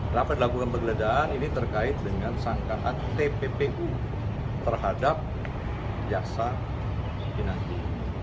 dapat dilakukan penggeledahan ini terkait dengan sangkaan tppu terhadap jaksa pinangki